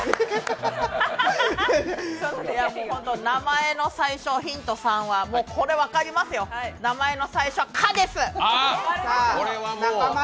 本当名前の最初、ヒント３はこれ、分かりますよ、名前の最初は「カ」です。